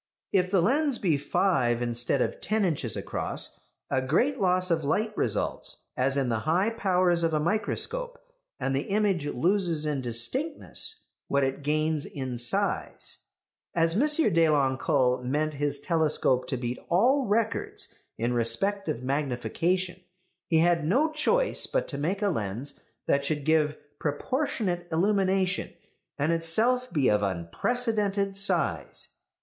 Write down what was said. If the lens be five instead of ten inches across, a great loss of light results, as in the high powers of a microscope, and the image loses in distinctness what it gains in size. As M. Deloncle meant his telescope to beat all records in respect of magnification, he had no choice but to make a lens that should give proportionate illumination, and itself be of unprecedented size.